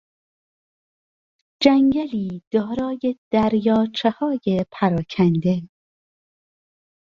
جنگلی دارای دریاچههای پراکنده